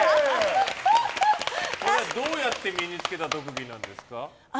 どうやって身に付けた特技なんですか。